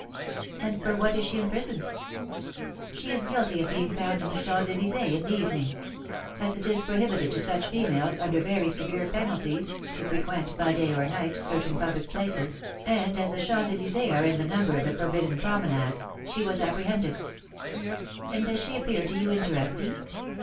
"And for what is she imprisoned?" "She is guilty of being found in the Champs Elysées in the evening. As it is prohibited to such females, under very severe penalties, to frequent, by day or night, certain public places, and as the Champs Elysées are in the number of the forbidden promenades, she was apprehended." "And does she appear to you interesting?"